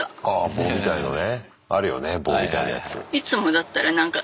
棒みたいなやつ。